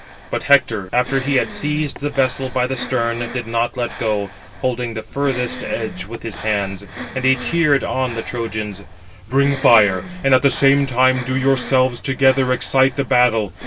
But Hector, after he had seized [the vessel] by the stern, did not let go, holding the furthest 505 edge with his hands, and he cheered on the Trojans: "Bring fire, and at the same time do yourselves together excite the battle.